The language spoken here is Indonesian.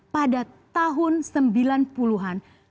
pada tahun sembilan puluh an